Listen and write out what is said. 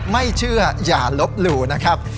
ไม่เชื่ออย่าลบหลู่นะครับ